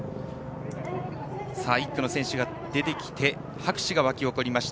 １区の選手が出てきて拍手が沸き起こりました